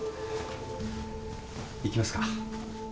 行きますか。